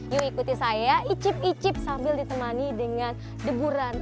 yuk ikuti saya icip icip sambil ditemani dengan deburan